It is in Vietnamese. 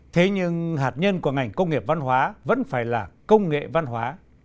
thế nhưng hạt nhân của ngành công nghiệp văn hóa vẫn phải là công nghệ văn hóa